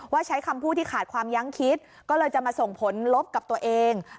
ใช้คำพูดที่ขาดความยั้งคิดก็เลยจะมาส่งผลลบกับตัวเอง